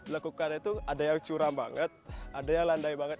lekukan itu ada yang curam banget ada yang landai banget